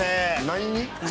何に？